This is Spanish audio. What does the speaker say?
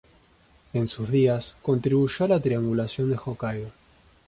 En sus días, contribuyó a la Triangulación de Hokkaido.